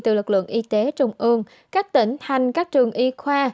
từ lực lượng y tế trung ương các tỉnh thành các trường y khoa